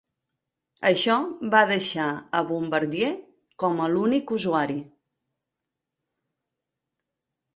Això va deixar a Bombardier com a l'únic usuari.